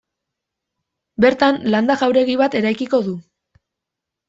Bertan landa jauregi bat eraikiko du.